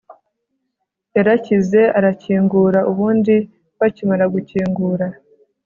Yarashyize arakingura ubundi bakimara gukingura